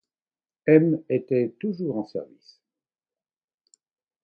M étaient toujours en service.